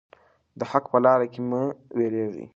د حق په لاره کې مه ویریږئ.